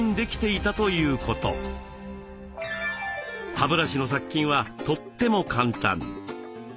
歯ブラシの殺菌はとっても簡単。